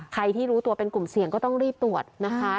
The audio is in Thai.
ใครที่รู้ตัวเป็นกลุ่มเสี่ยงก็ต้องรีบตรวจนะคะ